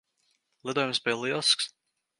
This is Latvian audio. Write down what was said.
Lidojums bija lielisks.